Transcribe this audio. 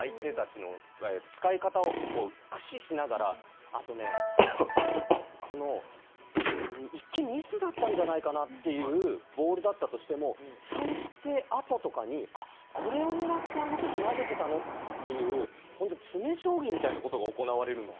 使い方を駆使しながらあと一見ミスだったんじゃないかなというボールだったとしても３手あととかにこれを狙ってあのとき投げていたのという詰め将棋みたいなことが行われるんです。